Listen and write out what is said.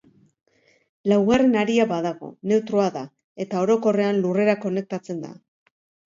Laugarren haria badago, neutroa da, eta orokorrean lurrera konektatzen da.